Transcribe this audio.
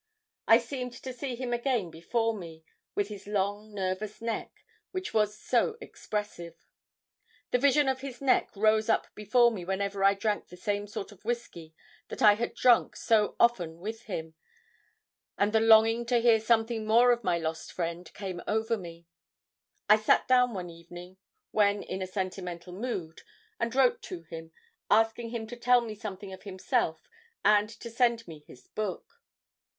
I seemed to see him again before me, with his long nervous neck, which was so expressive. The vision of this neck rose up before me whenever I drank the same sort of whisky that I had drunk so often with him, and the longing to hear something more of my lost friend came over me. I sat down one evening when in a sentimental mood, and wrote to him, asking him to tell me something of himself and to send me his book.